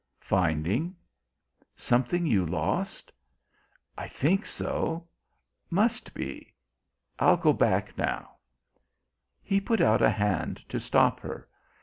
"Finding." "Something you lost?" "I think so. Must be. I'll go back now." He put out a hand to stop her.